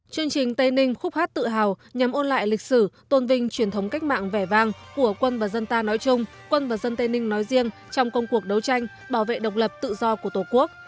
chương trình tây ninh khúc hát tự hào nhằm ôn lại lịch sử tôn vinh truyền thống cách mạng vẻ vang của quân và dân ta nói chung quân và dân tây ninh nói riêng trong công cuộc đấu tranh bảo vệ độc lập tự do của tổ quốc